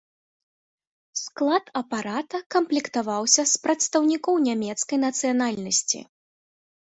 Склад апарата камплектаваўся з прадстаўнікоў нямецкай нацыянальнасці.